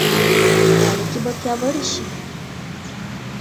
اړیکې به پیاوړې شي.